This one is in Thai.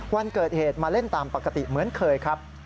วันเกิดเหตุมาเล่นตามปกติเหมือนเคยครับ